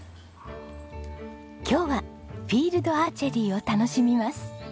今日はフィールドアーチェリーを楽しみます。